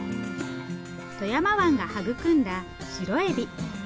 富山湾が育んだシロエビ。